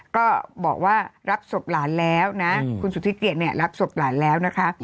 ก็บอกว่ารับศพหลานแล้วนะคุณสุธิเกียจรับศพหลานแล้วนะคะ